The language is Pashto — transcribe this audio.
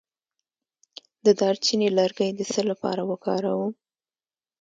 د دارچینی لرګی د څه لپاره وکاروم؟